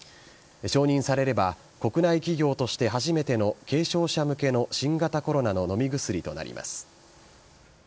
承認されれば国内企業として初めての軽症者向けの新型コロナの飲み薬となります。